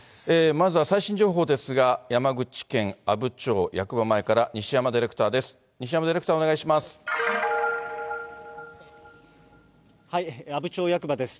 まずは最新情報ですが、山口県阿武町役場前から、西山ディレクターです。